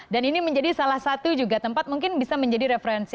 dan ini menjadi salah satu juga tempat mungkin bisa menjadi referensi